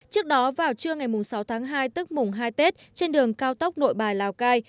trước đó vào trưa ngày sáu tháng hai tức mùng hai tết trên đường cao tốc nội bài lào cai